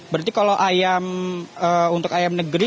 berarti kalau ayam untuk ayam negeri